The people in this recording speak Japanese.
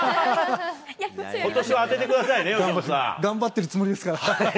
ことしは当ててくださいね、頑張ってるつもりですから。